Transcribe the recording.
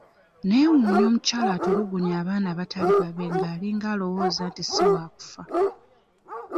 Neewuunya omukyala atulugunya abaana abatali babe ng'alinga alowooza nti si waakufa.